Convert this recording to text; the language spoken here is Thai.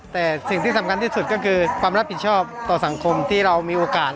แต่สิ่งที่สำคัญที่สุดก็คือความรับผิดชอบต่อสังคมที่เรามีโอกาส